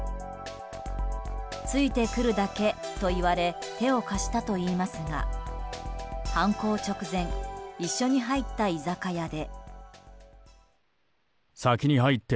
ついてくるだけと言われ手を貸したといいますが犯行直前一緒に入った居酒屋で。